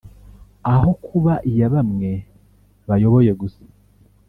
aho kuba iya bamwe bayoboye gusa